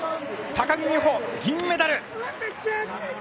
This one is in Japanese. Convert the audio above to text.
高木美帆、銀メダル！